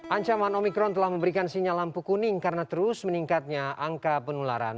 ancaman omikron telah memberikan sinyal lampu kuning karena terus meningkatnya angka penularan